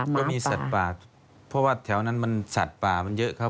จะมีสัตว์ป่าเพราะว่าแถวนั้นมันสัตว์ป่ามันเยอะครับ